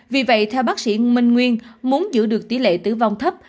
vì vậy theo bác sĩ minh nguyên muốn giữ được tỷ lệ tử vong thấp